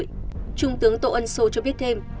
trung tướng tô ân sô cho biết thêm